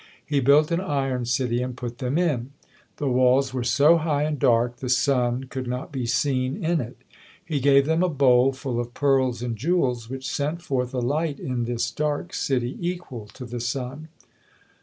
He built an iron city and put them in. The walls were so high and dark, the sun could not be seen in it. He gave them a bowl full of pearls and jewels, which sent forth a light in this dark city equal to the sun.